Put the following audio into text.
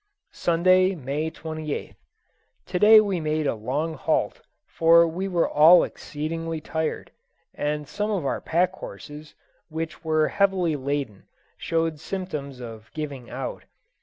Sunday, May 28th. To day we made a long halt, for we were all exceedingly tired, and some of our pack horses, which were heavily laden, showed symptoms of "giving out."